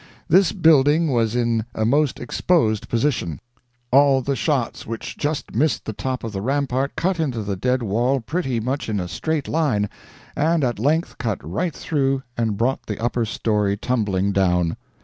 This building was in a most exposed position. All the shots which just missed the top of the rampart cut into the dead wall pretty much in a straight line, and at length cut right through and brought the upper story tumbling down.